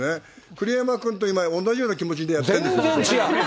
栗山君と今、同じような気持ちでやってるんですよ。